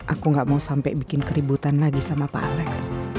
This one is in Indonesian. aku gak mau sampai bikin keributan lagi sama pak alex